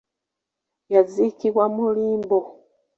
Yaziikibwa mu limbo.